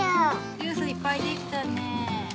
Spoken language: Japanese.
ジュースいっぱいできたねえ。